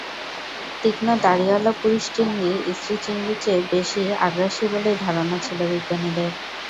তীক্ষ্ণ দাঁড়াওয়ালা পুরুষ চিংড়ি স্ত্রী চিংড়ির চেয়ে বেশি আগ্রাসী বলেই ধারণা ছিল বিজ্ঞানীদের।